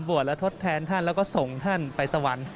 และทดแทนท่านแล้วก็ส่งท่านไปสวรรค์